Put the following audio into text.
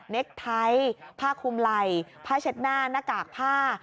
เค็กไทท์ผ้าคุมไหล่ผ้าเช็ดหน้าหน้ากากผ้า